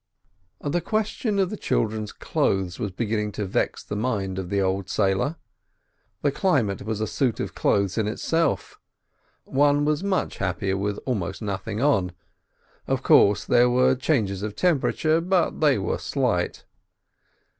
The question of the children's clothes was beginning to vex the mind of the old sailor. The climate was a suit of clothes in itself. One was much happier with almost nothing on. Of course there were changes of temperature, but they were slight.